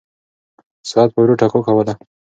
ساعت به ورو ټکا کوله.